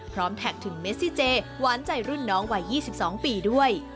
แท็กถึงเมซิเจหวานใจรุ่นน้องวัย๒๒ปีด้วย